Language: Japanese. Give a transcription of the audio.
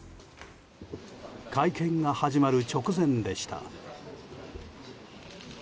会見が始まる直前でした。